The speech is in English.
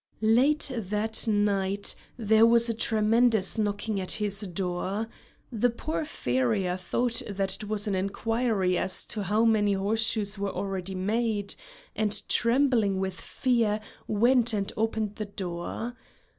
Late that night there was a tremendous knocking at his door. The poor farrier thought that it was an inquiry as to how many horseshoes were already made, and trembling with fear went and opened the door.